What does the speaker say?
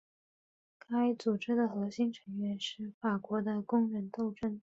该组织的核心成员是法国的工人斗争。